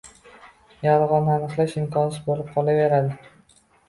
yolg‘onni aniqlash imkonsiz bo‘lib qolaveradi.